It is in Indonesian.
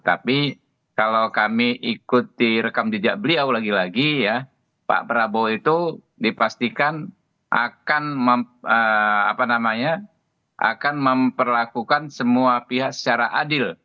tapi kalau kami ikuti rekam jejak beliau lagi lagi ya pak prabowo itu dipastikan akan memperlakukan semua pihak secara adil